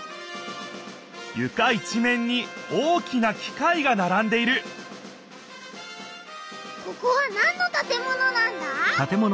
ゆか一めんに大きなきかいがならんでいるここはなんの建物なんだ？